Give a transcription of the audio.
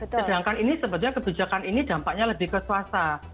sedangkan ini sebetulnya kebijakan ini dampaknya lebih ke swasta